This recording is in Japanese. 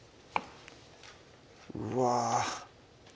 うわ